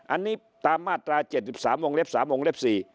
อันนี้ตามมาตรา๗๓วงเล็บ๓วงเล็บ๔